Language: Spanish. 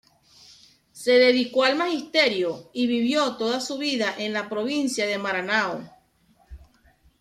Se dedicó al magisterio y vivió toda su vida en la provincia de Maranhão.